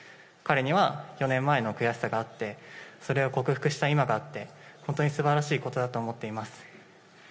彼には４年前の悔しさがあって、それを克服した今があって、本当にすばらしいことだと思っています。